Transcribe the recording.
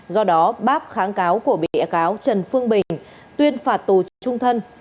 do đó bác kháng cáo của bị cáo trần phương bình tuyên phạt tù trung thân